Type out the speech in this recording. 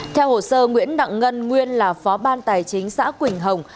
theo hồ sơ nguyễn đặng ngân nguyên là phó ban tài chính xã quỳnh hồng